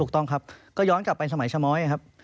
ถูกต้องครับก็ย้อนกลับไปสมัยชะม้อยครับ